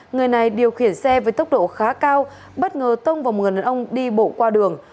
người này điều khiển xe với tốc độ khá cao bất ngờ tông vào một người đàn ông đi bộ qua đường